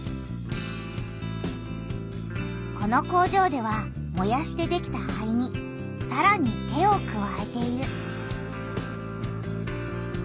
この工場ではもやしてできた灰にさらに手をくわえている。